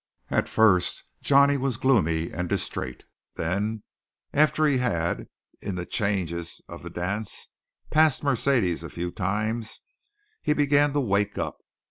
At first Johnny was gloomy and distrait. Then, after he had, in the changes of the dance, passed Mercedes a few times, he began to wake up.